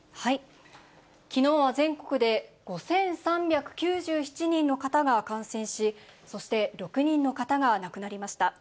きのうは全国で５３９７人の方が感染し、そして６人の方が亡くなりました。